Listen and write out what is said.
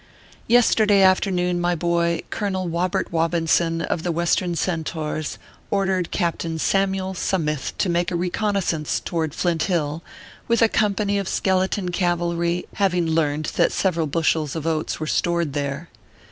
Yesterday afternoon, my boy, Colonel Wobert Wobinson, of the Western Centaurs, ordered Cap tain Samyule Sa mith to make a reconnoissance toward Flint Hill with a company of skeleton 214 ORPHEUS C. KERR PAPERS. cavalry, having learned that several bushels of oats were stored there.